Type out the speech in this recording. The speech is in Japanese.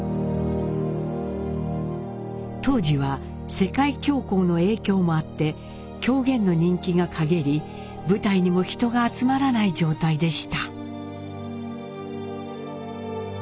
当時は世界恐慌の影響もあって狂言の人気がかげり舞台にも人が集まらない状態でした。